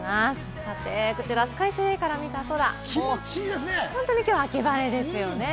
こちらスカイツリーから見た空、本当にきょうは秋晴れですよね。